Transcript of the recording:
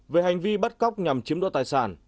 về hành vi bắt cóc nhằm chiếm đoạt tài sản